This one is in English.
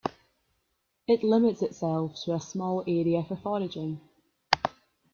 It limits itself to a small area for foraging.